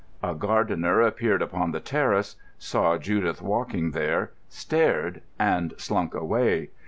A gardener appeared upon the terrace, saw Judith walking there, stared, and slunk away.